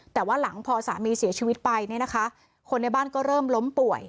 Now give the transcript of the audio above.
แต่ว่าหลังพอสามีเสียชีวิตไปเนี่ยนะคะคนในบ้านก็เริ่มล้มป่วย